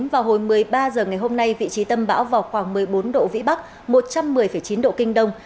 vào hồi một mươi ba h ngày hôm nay vị trí tâm bão vào khoảng một mươi bốn độ vĩ bắc một trăm một mươi chín độ kinh đông